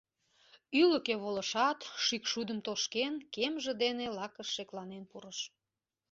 Ӱлыкӧ волышат, шӱкшудым тошкен, кемже дене лакыш шекланен пурыш.